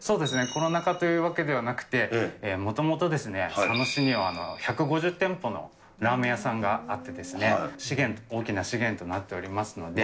コロナ禍というわけではなくて、もともと佐野市には１５０店舗のラーメン屋さんがあってですね、資源、大きな資源となっておりますので。